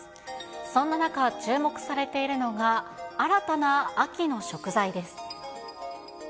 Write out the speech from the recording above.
そんな中、注目されているのが新たな秋の食材です。